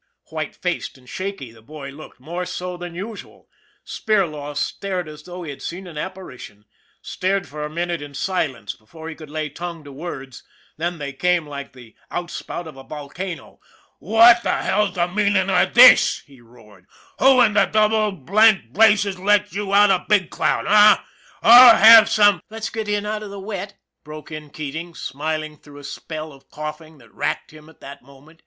White faced and shaky the boy looked more so than usual. Spirlaw stared as though he had seen an apparition, stared for a minute in silence before he could lay tongue to words then they came like the out spout of a volcano. "What the hell's the meanin' of this?" he roared. THE BUILDER 141 " Who in the double blanked blazes let you out of Big Cloud, h'm ? I'll have some "" Let's get in out of the wet," broke in Keating, smiling through a spell of coughing that racked him at that moment.